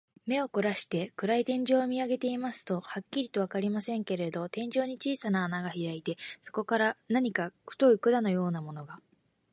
目をこらして、暗い天井を見あげていますと、はっきりとはわかりませんけれど、天井に小さな穴がひらいて、そこから何か太い管のようなものが、